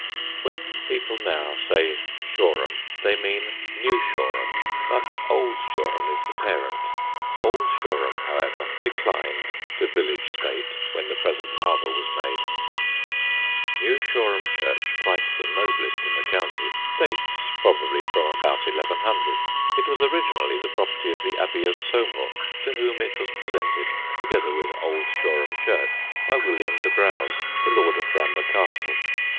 When people now say Shoreham they mean New Shoreham, but Old Shoreham is the parent. Old Shoreham, however, declined to village state when the present harbour was made. [Sidenote: MR. SWINBURNE'S POEM] New Shoreham church, quite the noblest in the county, dates probably from about 1100. It was originally the property of the Abbey of Saumur, to whom it was presented, together with Old Shoreham church, by William de Braose, the lord of Bramber Castle.